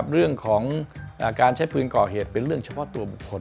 เรื่องของการใช้ปืนก่อเหตุเป็นเรื่องเฉพาะตัวบุคคล